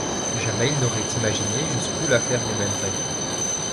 Jamais ils n’auraient imaginé jusqu’où l’affaire les mènerait.